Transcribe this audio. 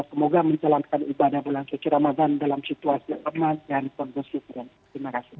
semoga menjelangkan ibadah bulan kecil ramadan dalam situasi yang tempat dan konfusif terima kasih